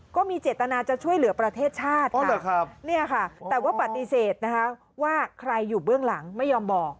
ก็มีเจตนาจะช่วยเหลือประเทศชาติแต่ว่าปฏิเสธนะคะว่าใครอยู่เบื้องหลังไม่ยอมบอก